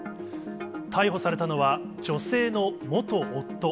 逮捕されたのは、女性の元夫。